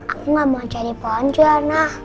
aku nggak mau jadi pohon johana